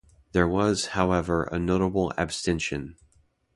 There was, however, a notable abstention.